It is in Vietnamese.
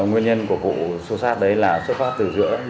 nguyên nhân của vụ xô xát đấy là xuất phát từ giữa